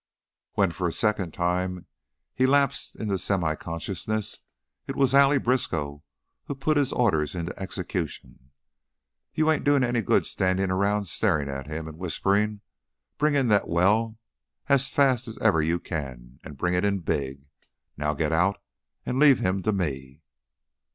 When for a second time he lapsed into semiconsciousness, it was Allie Briskow who put his orders into execution. "You ain't doing any good standing around staring at him and whispering. Bring in that well, as fast as ever you can, and bring it in big. Now, get out and leave him to me."